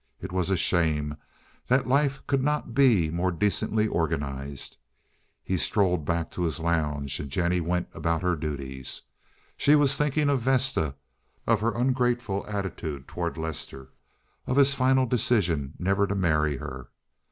It was a shame that life could not be more decently organized. He strolled back to his lounge, and Jennie went about her duties. She was thinking of Vesta, of her ungrateful attitude toward Lester, of his final decision never to marry her.